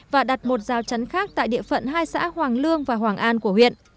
và đặt một dao chắn khác tại địa phận hai xã hoàng lương và hoàng an của huyện